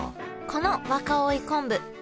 この若生昆布